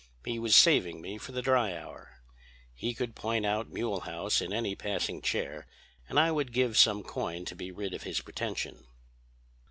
He was saving me for the dry hour. He could point out Mulehaus in any passing chair, and I would give some coin to be rid of his pretension."